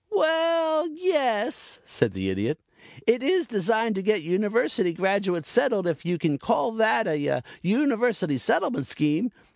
"Well yes," said the Idiot. "It is designed to get University graduates settled, if you can call that a University Settlement Scheme.